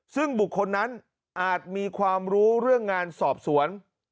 ซึ่งบุคคลนั้นอาจมีความรู้เรื่องงานสอบสวน